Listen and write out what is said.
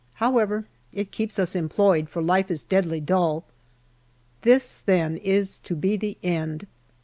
However, it keeps us employed, for life is deadly dull. This, then, is to be the end